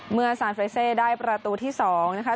ซานเฟรเซได้ประตูที่๒นะคะ